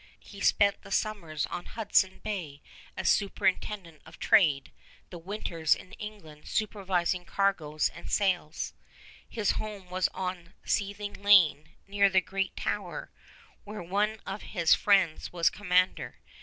He spent the summers on Hudson Bay as superintendent of trade, the winters in England supervising cargoes and sales. His home was on Seething Lane near the great Tower, where one of his friends was commander.